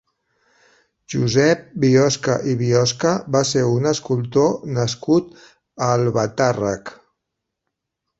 Josep Biosca i Biosca va ser un escultor nascut a Albatàrrec.